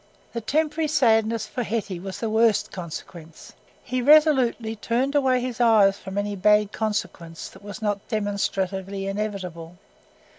The temporary sadness for Hetty was the worst consequence; he resolutely turned away his eyes from any bad consequence that was not demonstrably inevitable.